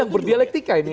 yang berdialektika ini